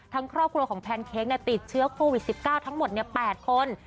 ครอบครัวของแพนเค้กติดเชื้อโควิด๑๙ทั้งหมด๘คน